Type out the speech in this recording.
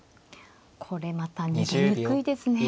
これまた逃げにくいですね。